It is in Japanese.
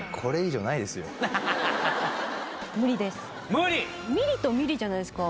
無理ミリとミリじゃないですか